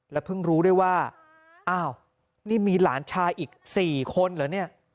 เพิ่งรู้ด้วยว่าอ้าวนี่มีหลานชายอีก๔คนเหรอเนี่ย